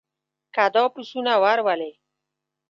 که دا پسونه ور ولې.